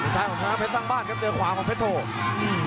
ของธนาเพชรสร้างบ้านครับเจอขวาของเพชรโท